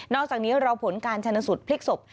อกจากนี้รอผลการชนสูตรพลิกศพ